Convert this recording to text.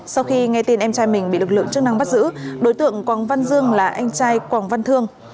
sau khi nghe tin em trai mình bị lực lượng chức năng bắt giữ đối tượng quảng văn dương là anh trai quảng văn thương